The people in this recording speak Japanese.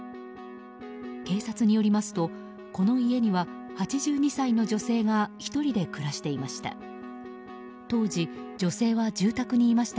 警察によりますとこの家には８２歳の女性が１人で暮らしていました。